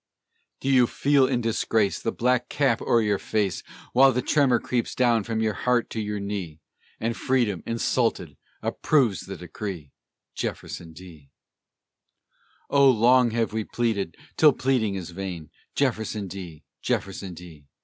Do you feel in disgrace The black cap o'er your face, While the tremor creeps down from your heart to your knee, And freedom, insulted, approves the decree, Jefferson D.? Oh! long have we pleaded, till pleading is vain, Jefferson D., Jefferson D.!